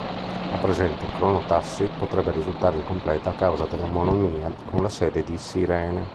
La presente cronotassi potrebbe risultare incompleta a causa dell'omonimia con la sede di Cirene.